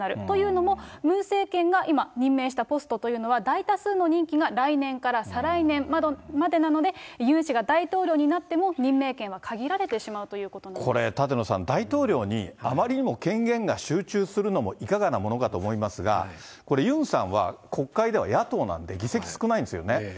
というのも、ムン政権が今、任命したポストというのは、大多数の任期が来年から再来年までなので、ユン氏が大統領になっても、任命権は限られてしまうということなこれ、舘野さん、大統領にあまりにも権限が集中するのもいかがなものかと思いますが、これ、ユンさんは国会では野党なんで、議席少ないんですよね。